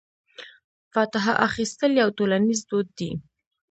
فاتحه اخیستل یو ټولنیز دود دی.